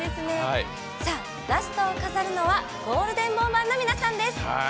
ラストを飾るのはゴールデンボンバーの皆さんです。